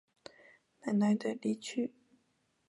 奶奶的离去